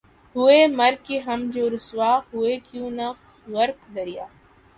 ہوئے مر کے ہم جو رسوا ہوئے کیوں نہ غرق دریا